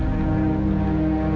targa di sini